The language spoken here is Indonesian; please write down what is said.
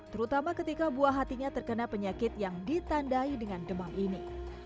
terutama ketika buah hatinya terkena penyakit yang ditandai dengan demam ini